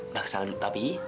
udah kesal dulu tapi